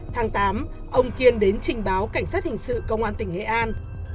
tháng tám ông kiên đến trình báo cảnh sát hình sự công an tỉnh nghệ an